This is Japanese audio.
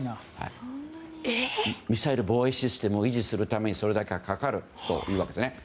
ミサイル防衛システムを維持するためにそれだけかかるというわけです。